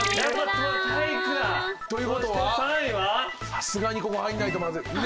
さすがにここ入んないとまずい。